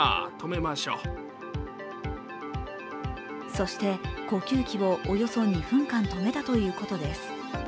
そして、呼吸器をおよそ２分間止めたということです。